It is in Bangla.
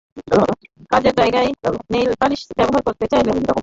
কাজের জায়গায় নেইলপলিশ ব্যবহার করতে চাইলে কাজের পরিবেশ ও ধরন খেয়াল রাখুন।